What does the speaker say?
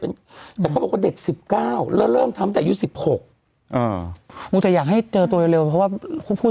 พี่ว่าเด็ก๑๙แล้วเริ่มทำถึง๑๖อีกสิบหกแต่อยากให้เจอโต้เร็วเพราะว่าผู้